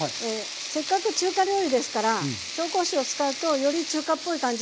せっかく中華料理ですから紹興酒を使うとより中華っぽい感じになりますのでね。